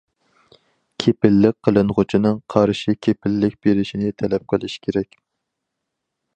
كېپىللىك قىلىنغۇچىنىڭ قارشى كېپىللىك بېرىشىنى تەلەپ قىلىش كېرەك.